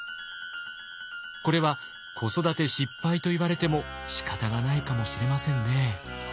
これは子育て失敗と言われてもしかたがないかもしれませんね。